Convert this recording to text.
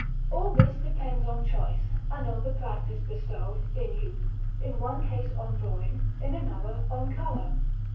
All this depends on choice, and on the practice bestowed, in youth, in one case on drawing, in another on colour.